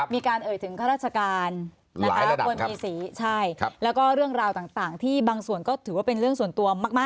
เอ่ยถึงข้าราชการนะคะคนมีสีใช่แล้วก็เรื่องราวต่างที่บางส่วนก็ถือว่าเป็นเรื่องส่วนตัวมาก